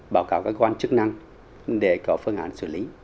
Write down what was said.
báo cáo các quan chức năng để có phương án xử lý